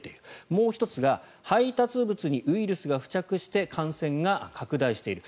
もう１つが配達物にウイルスが付着して感染が拡大している。